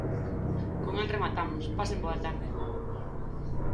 Con el rematamos, pasen boa tarde.